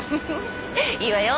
いいわよ。